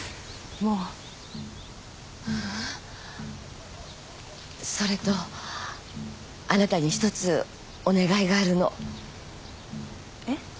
もうううんそれとあなたに１つお願いがあるのえっ？